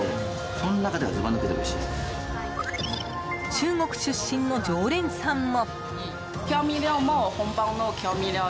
中国出身の常連さんも。